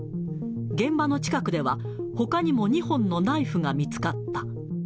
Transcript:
現場の近くでは、ほかにも２本のナイフが見つかった。